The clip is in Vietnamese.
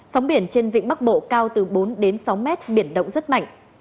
sóng biển trên vĩnh bắc bộ cao từ bốn đến sáu mét biển động rất mạnh